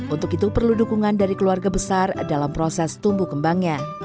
untuk itu perlu dukungan dari keluarga besar dalam proses tumbuh kembangnya